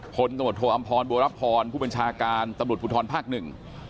เยอะเลยนะครับคนสมุทรโทรอำพรบัวรับพรผู้เป็นชาการสมุทรบุธรภาคหนึ่ง